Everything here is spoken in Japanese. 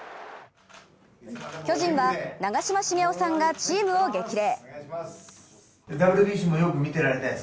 巨人は長嶋茂雄さんがチームを激励。